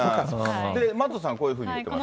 Ｍａｔｔさん、こういうふうに言ってます。